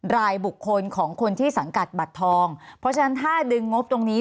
รายบุคคลของคนที่สังกัดบัตรทองเพราะฉะนั้นถ้าดึงงบตรงนี้